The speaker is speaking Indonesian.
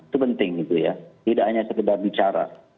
itu penting itu ya tidak hanya sekedar bicara